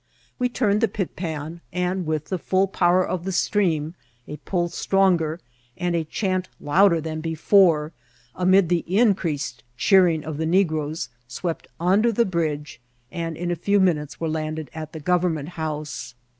We turned the pit pan, and with the full power of the stream, a pull stronger, and a chant loud er than before, amid the increased cheering of the ne groes, swept under the bridge^ and in a few minutes were landed at the Government House.